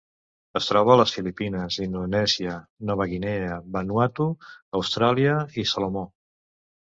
Es troba a les Filipines, Indonèsia, Nova Guinea, Vanuatu, Austràlia i Salomó.